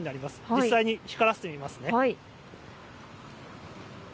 実際に光らせてみます。